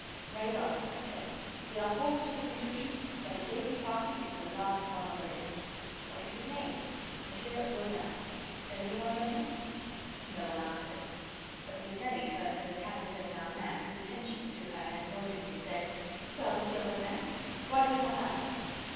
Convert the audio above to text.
"Very well, then," I said, "we are forced to the conclusion that the guilty party is the last one on the list." "What is his name?" "Mon. Rozaine. Does anyone know him?" No one answered. But Miss Nelly turned to the taciturn young man, whose attentions to her had annoyed me, and said: "Well, Monsieur Rozaine, why do you not answer?"